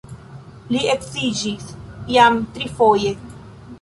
Li edziĝis jam trifoje.